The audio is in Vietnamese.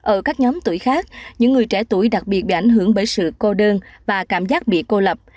ở các nhóm tuổi khác những người trẻ tuổi đặc biệt bị ảnh hưởng bởi sự cô đơn và cảm giác bị cô lập